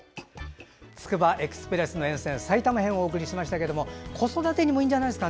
つくばエクスプレスの沿線埼玉編をお送りしましたが子育てにもいいんじゃないですか。